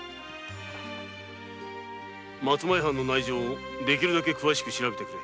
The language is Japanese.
松前藩の内情をできるだけ詳しく調べてくれ。